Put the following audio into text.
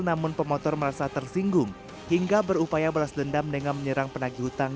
namun pemotor merasa tersinggung hingga berupaya balas dendam dengan menyerang penagih hutang